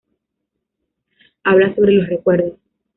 Habla sobre los recuerdos.